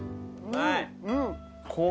うん！